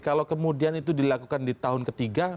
kalau kemudian itu dilakukan di tahun ketiga